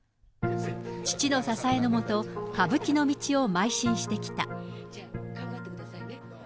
父の支えの下、歌舞伎の道をまい進してきた。